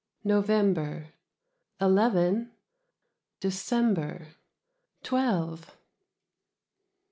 November "Eleven." December "Twelve."